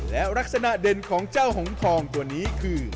และลักษณะเด่นของเจ้าหงทองตัวนี้คือ